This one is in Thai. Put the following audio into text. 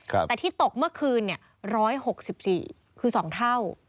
แต่ที่ตกเมื่อคืนเนี่ย๑๖๔คือ๒เท่า